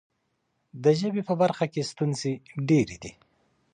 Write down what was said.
د ژبې په برخه کې ستونزې ډېرې دي.